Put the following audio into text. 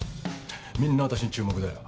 みんな私に注目だよ。